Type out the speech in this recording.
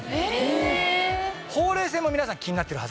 ほうれい線も皆さん気になってるはずなんですね。